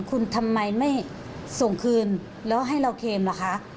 คุณทำไมไม่ส่งคืนแล้วให้เราเคมล่ะคะ